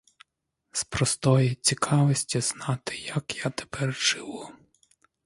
З простої цікавості знати, як я тепер живу?